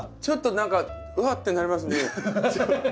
ちょっと何か「うわ！」ってなりますね。